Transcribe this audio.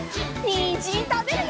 にんじんたべるよ！